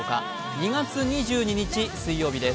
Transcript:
２月２２日水曜日です。